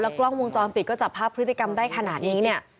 แล้วกล้องมูลจรปิดก็จับภาพพฤติกรรมได้ขนาดนี้